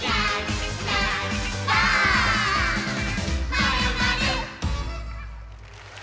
「まるまる」